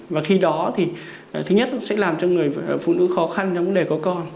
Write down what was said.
và khi đó thì thứ nhất sẽ làm cho người phụ nữ khó khăn trong vấn đề có con